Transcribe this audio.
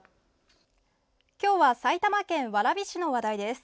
今日は埼玉県蕨市の話題です。